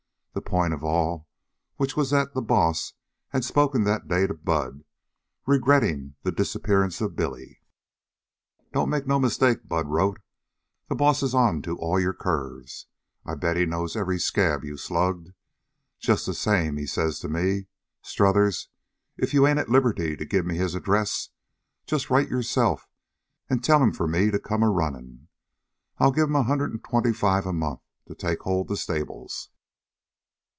The point of all which was that the Boss had spoken that day to Bud, regretting the disappearance of Billy. "Don't make no mistake," Bud wrote. "The Boss is onto all your curves. I bet he knows every scab you slugged. Just the same he says to me Strothers, if you ain't at liberty to give me his address, just write yourself and tell him for me to come a running. I'll give him a hundred and twenty five a month to take hold the stables."